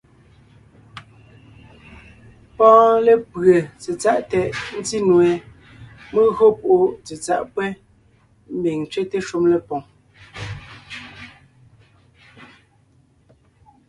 Pɔ́ɔn lépʉe tsetsáʼ tɛʼ, ńtí nue, mé gÿo púʼu tsetsáʼ pÿɛ́, ḿbiŋ ńtsẅɛ́te shúm lépoŋ.